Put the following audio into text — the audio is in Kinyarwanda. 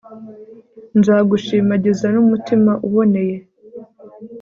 nzagushimagiza n'umutima uboneye